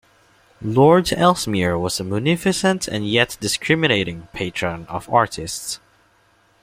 Lord Ellesmere was a munificent and yet discriminating patron of artists.